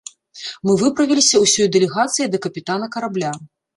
Мы выправіліся ўсёй дэлегацыяй да капітана карабля.